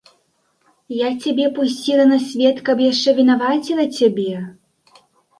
Я цябе пусціла на свет і каб яшчэ вінаваціла цябе?